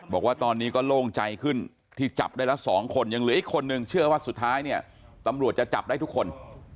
บอกว่าตอนนี้ก็โล่งใจขึ้นที่จับได้ละ๒คนยังเหลืออีกคนนึงเชื่อว่าสุดท้ายเนี่ยตำรวจจะจับได้ทุกคน